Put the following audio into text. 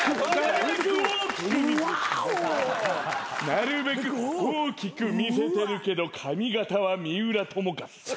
なるべく大きく見せてるけど髪形は三浦友和。